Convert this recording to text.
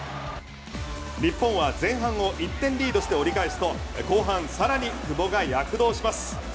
日本は前半を１点リードして折り返すと後半さらに久保が躍動します。